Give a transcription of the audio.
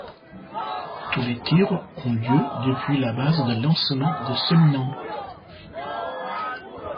Tous les tirs ont eu lieu depuis la base de lancement de Semnan.